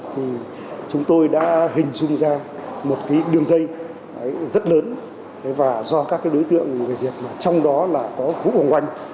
thì chúng tôi đã hình dung ra một cái đường dây rất lớn và do các cái đối tượng người việt trong đó là có vũ hoàng oanh